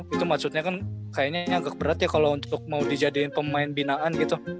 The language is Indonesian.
itu maksudnya kan kayaknya agak berat ya kalau untuk mau dijadiin pemain binaan gitu